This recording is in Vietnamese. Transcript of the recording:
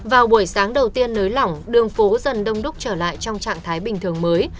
vào buổi sáng đầu tiên nới lỏng đường phố dần đông đúc trở lại trong trạng thái bình thường mới